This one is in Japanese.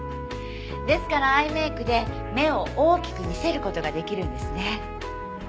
ですからアイメイクで目を大きく見せる事が出来るんですね。